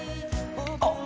あっ！